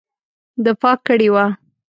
دفاع کړې وه.